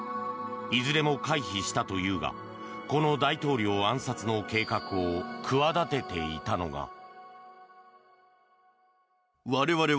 いずれも回避したというがこの大統領暗殺の計画を企てていたのが。